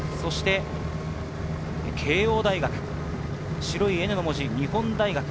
慶應大学、白いＮの文字、日本大学。